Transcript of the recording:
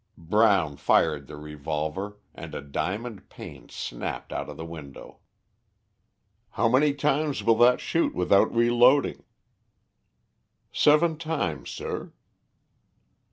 Brown fired the revolver, and a diamond pane snapped out of the window. "How many times will that shoot without reloading?" "Seven times, sir."